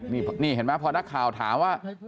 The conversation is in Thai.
นี่เห็นไหมพอนักข่าวถามว่า